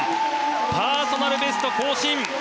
パーソナルベスト更新！